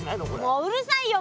もううるさいよ！